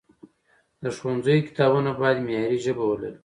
د ښوونځیو کتابونه باید معیاري ژبه ولري.